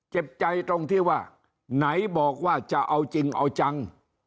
เจ็บใจตรงที่ว่าไหนบอกว่าจะเอาจริงเอาจัง